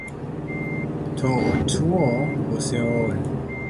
To otuo kose ool?